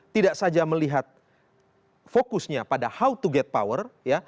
tidak saja melihat fokusnya pada how to get power